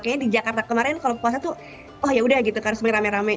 kayaknya di jakarta kemarin kalau puasa tuh oh ya udah gitu harus beramai ramai